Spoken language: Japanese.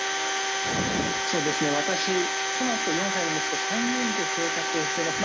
私は妻と４歳の息子の３人で生活をしています。